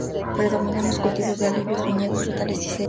Predominan los cultivos de olivos, viñedos, frutales y cereales.